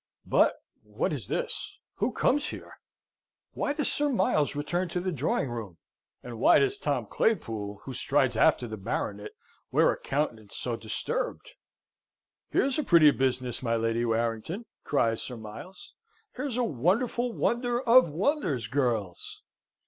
But what is this? Who comes here? Why does Sir Miles return to the drawing room, and why does Tom Claypool, who strides after the Baronet, wear a countenance so disturbed? "Here's a pretty business, my Lady Warrington!" cries Sir Miles. "Here's a wonderful wonder of wonders, girls!"